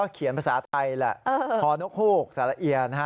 เขียนภาษาไทยแล้วคอนกฮูกสาระเอียน